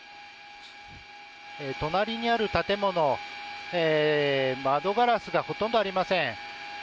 隣にある建物窓ガラスがほとんどありません。